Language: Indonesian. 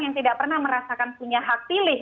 yang tidak pernah merasakan punya hak pilih